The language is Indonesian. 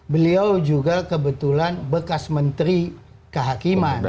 beliau juga kebetulan bekas menteri kehakiman